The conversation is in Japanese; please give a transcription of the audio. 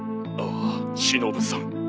ああしのぶさん。